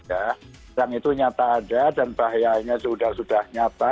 sekarang itu nyata ada dan bahayanya sudah sudah nyata